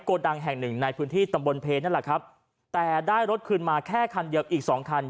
โกดังแห่งหนึ่งในพื้นที่ตำบลเพนั่นแหละครับแต่ได้รถคืนมาแค่คันเดียวอีกสองคัน